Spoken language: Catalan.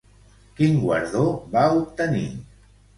Quin guardó va obtenir?